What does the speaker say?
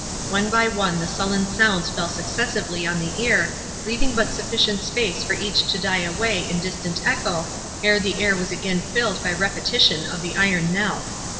One by one the sullen sounds fell successively on the ear, leaving but sufficient space for each to die away in distant echo, ere the air was again filled by repetition of the iron knell.